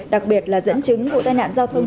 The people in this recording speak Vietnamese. đặc biệt là dẫn chứng vụ tai nạn giao thông